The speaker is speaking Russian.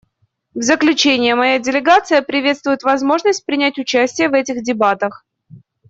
В заключение моя делегация приветствует возможность принять участие в этих дебатах.